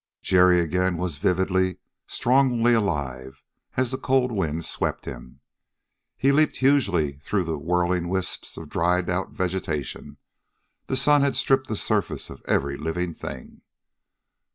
Jerry again was vividly, strongly alive as the cold winds swept him. He leaped hugely through the whirling wisps of dried out vegetation the sun had stripped the surface of every living thing.